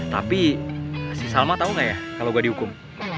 tapi si salma tau gak ya kalo gue dihukum